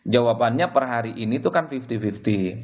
jawabannya per hari ini itu kan fifty fifty